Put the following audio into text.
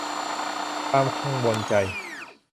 ความกังวลใจ